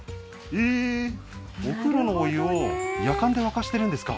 えーお風呂のお湯をやかんで沸かしてるんですか